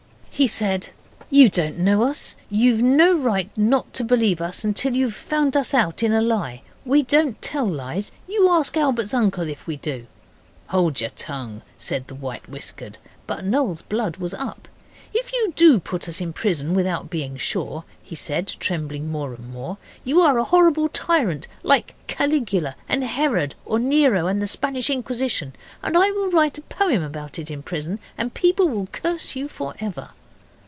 He said, 'You don't know us. You've no right not to believe us till you've found us out in a lie. We don't tell lies. You ask Albert's uncle if we do.' 'Hold your tongue,' said the White Whiskered. But Noel's blood was up. 'If you do put us in prison without being sure,' he said, trembling more and more, 'you are a horrible tyrant like Caligula, and Herod, or Nero, and the Spanish Inquisition, and I will write a poem about it in prison, and people will curse you for ever.